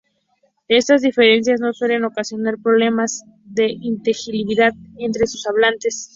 Estas diferencias no suelen ocasionar problemas de inteligibilidad entre sus hablantes.